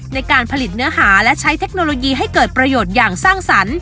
ในการผลิตเนื้อหาและใช้เทคโนโลยีให้เกิดประโยชน์อย่างสร้างสรรค์